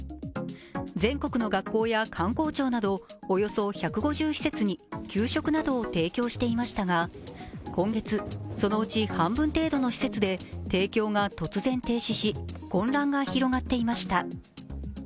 全国の学校や観光庁などおよそ１５０施設に給食などを提供していましたが、今月、そのうち半分程度の施設で提供が突然停止し、混乱が広がっていました。